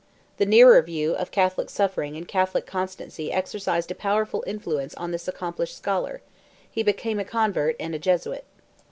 The nearer view of Catholic suffering and Catholic constancy exercised a powerful influence on this accomplished scholar; he became a convert and a Jesuit.